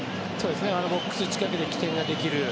ボックス近くで起点ができる。